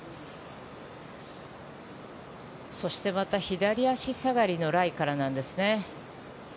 そしてまた左足下がりのライからなんですね。